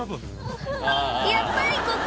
やっぱりここ